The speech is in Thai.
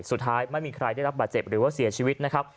สุดท้ายไม่มีใครได้รับบาดเจ็บหรือว่าเสียชีวิตนะครับ